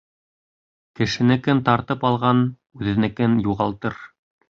Кешенекен тартып алған үҙенекен юғалтыр.